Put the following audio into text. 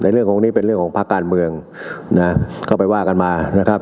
เรื่องของการเมืองระดับพักการเมืองก็ไปว่ากันมานะครับ